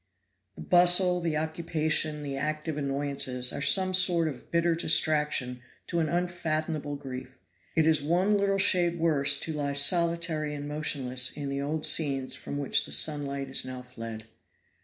The bustle, the occupation, the active annoyances are some sort of bitter distraction to the unfathomable grief it is one little shade worse to lie solitary and motionless in the old scenes from which the sunlight is now fled.